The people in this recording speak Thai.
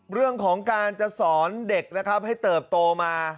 เรื่องของการจะสอนเด็กนะครับให้เติบโตมา